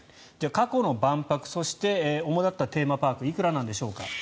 過去の万博、そして主だったテーマパークいくらなんでしょうか。